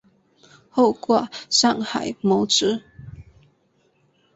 后赴上海谋职。